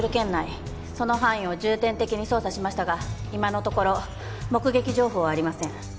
その範囲を重点的に捜査しましたが今のところ目撃情報はありません。